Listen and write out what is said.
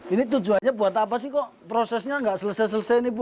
ini tujuannya buat apa sih kok prosesnya nggak selesai selesai nih bu